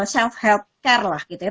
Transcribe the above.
self health care lah gitu ya